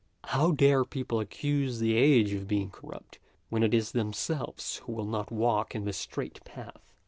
[How dare people accuse the age of being corrupt, when it is themselves who will not walk in the straight path.